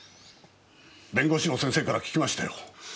弁護士の先生から聞きましたよ。